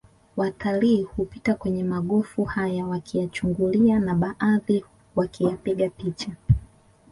Watalii hupita kwenye magofu haya wakiyachungulia baadhi wakiyapiga picha